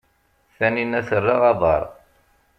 Taninna terra aḍar.